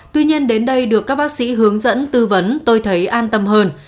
tuy nhiên đến đây được các bác sĩ hướng dẫn tư vấn tôi thấy an tâm hơn